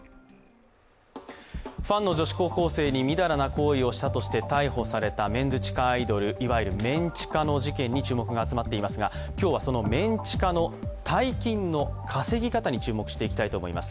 ファンの女子高校生にみだらな行為をしたとして逮捕されたメンズ地下アイドル、いわゆるメン地下に注目が集まっていますが今日はそのメン地下の大金の稼ぎ方に注目していきたいと思います。